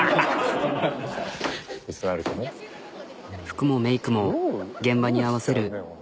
服もメークも現場に合わせる。